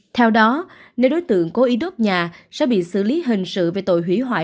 theo đó nếu đối tượng cố ý đốt nhà sẽ bị xử lý hình sự về tội hủy hoại